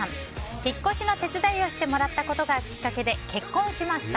引っ越しの手伝いをしてもらったことがきっかけで結婚しました。